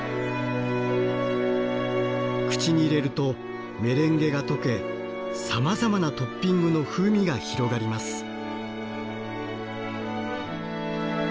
口に入れるとメレンゲが溶けさまざまなトッピングの風味が広がります。